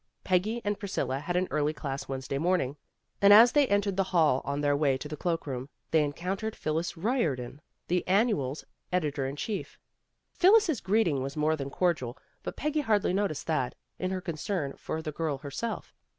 Peggy and Priscilla had an early class Wednesday morning, and as they entered the hall on their way to the cloak room, they encountered Phyllis Eiordan, the Annual's editor in chief. A PARTIAL ECLIPSE 265 Phyllis' greeting was more than cordial, but Peggy hardly noticed that, in her concern for the girl herself.